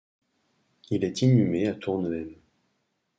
Il est inhumé à Tournehem.